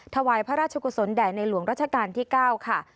ถวายพระราชกุศลแด่ในหลวงรัชกาลที่๙ค่ะ